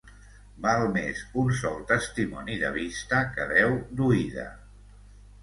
Val més un sol testimoni de vista que deu d'oïda.